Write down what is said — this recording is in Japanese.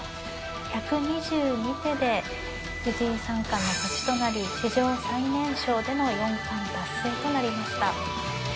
１２２手で藤井三冠の勝ちとなり史上最年少での四冠達成となりました。